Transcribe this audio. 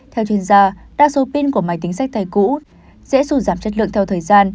theo chuyên gia đa số pin của máy tính sách tay cũ sẽ dù giảm chất lượng theo thời gian